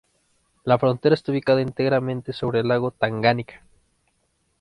La frontera está ubicada íntegramente sobre el lago Tanganica.